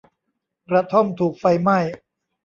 กระท่อมถูกไฟไหม้